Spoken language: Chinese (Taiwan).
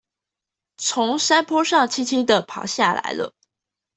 從山坡上輕輕地爬下來了